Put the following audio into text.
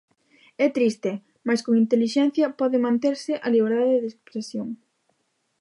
É triste, mais con intelixencia pode manterse a liberdade de expresión.